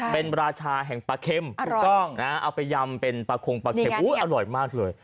เป็นราชาแห่งปลาเข็มถูกต้องเอาไปยำเป็นปลาคงปลาเข็มอร่อยมากเลย